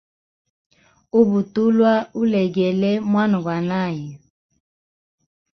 Ubutulwa ulegele mwana gwa nayu.